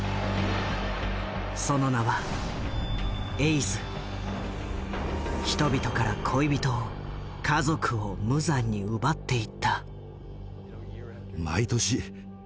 その名は人々から恋人を家族を無残に奪っていった。